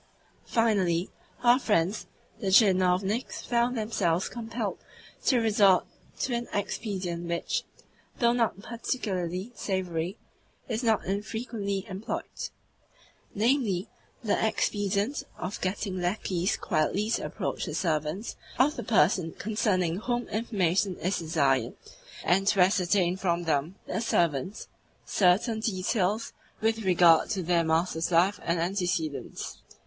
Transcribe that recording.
Finally, our friends the tchinovniks found themselves compelled to resort to an expedient which, though not particularly savoury, is not infrequently employed namely, the expedient of getting lacqueys quietly to approach the servants of the person concerning whom information is desired, and to ascertain from them (the servants) certain details with regard to their master's life and antecedents.